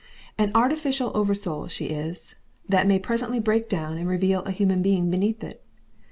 An artificial oversoul she is, that may presently break down and reveal a human being beneath it.